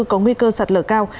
có nguy cơ sạt lở cao